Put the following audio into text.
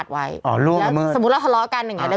พี่ขับรถไปเจอแบบ